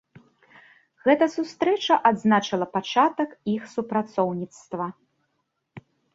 Гэта сустрэча адзначыла пачатак іх супрацоўніцтва.